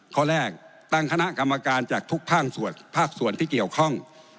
ข้อแรกตั้งคณะกรรมการจากทุกภาคส่วนภาคส่วนที่เกี่ยวข้อง